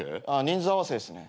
人数合わせですね。